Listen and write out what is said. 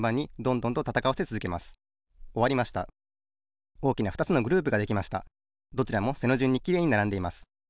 どちらも背のじゅんにきれいにならんでいます。